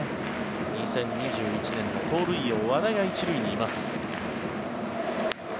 ２０２１年の盗塁王の和田が１塁にいます。